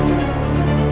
aku mau ke sana